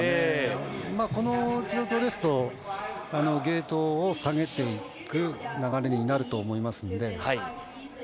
この状況ですとゲートを下げていく流れになると思いますので。